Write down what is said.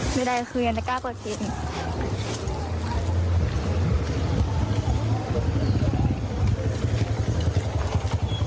ไม่ได้คือยังแต่กล้าตัวเทปอีก